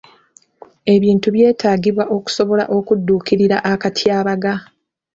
Ebintu byetaagibwa okusobora okudduukirira akatyabaga.